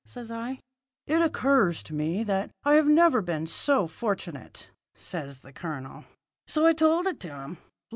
says I. "'It occurs to me that I have never been so fortunate,' says the colonel. "So I told it to him.